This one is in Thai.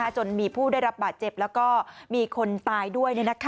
จนมีผู้ได้รับบาดเจ็บแล้วก็มีคนตายด้วย